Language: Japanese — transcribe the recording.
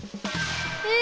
え！